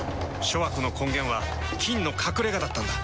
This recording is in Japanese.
諸悪の根源は「菌の隠れ家」だったんだ。